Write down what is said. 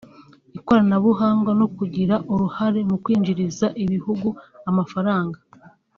ikoranabuhanga no kugira uruhare mu kwinjriza ibihugu amafaranga